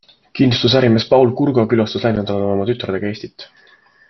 Kindlustusärimees Paul Kurgo külastas läinud nädalal oma tütardega Eestit.